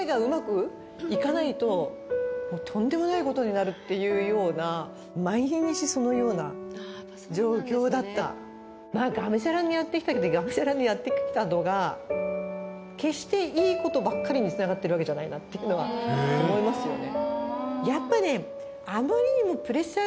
もうっていうような毎日そのような状況だったまぁガムシャラにやってきたけどガムシャラにやってきたのが決していいことばっかりにつながってるわけじゃないなっていうのは思いますよね